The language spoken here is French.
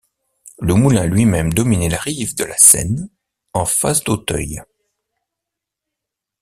Le moulin lui-même dominait la rive de la Seine en face d'Auteuil.